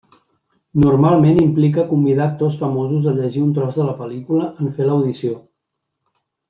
Normalment implica convidar actors famosos a llegir un tros de la pel·lícula en fer l'audició.